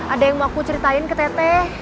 ada yang mau aku ceritain ke tete